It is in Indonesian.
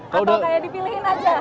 tau gak tuh atau kayak dipilihin aja